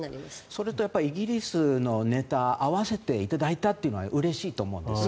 それとイギリスのネタ合わせていただいたというのもうれしいと思うんです。